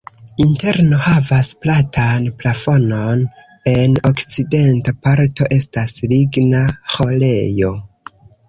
Interno havas platan plafonon, en okcidenta parto estas ligna ĥorejo.